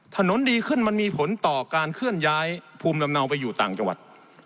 ดีขึ้นมันมีผลต่อการเคลื่อนย้ายภูมิลำเนาไปอยู่ต่างจังหวัด